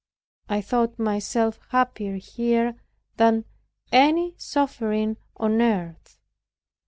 I thought myself happier here than any sovereign on earth.